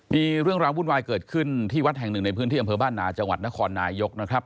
มีเรื่องราววุ่นวายเกิดขึ้นที่วัดแห่งหนึ่งในพื้นที่อำเภอบ้านนาจังหวัดนครนายกนะครับ